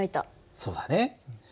そうだね。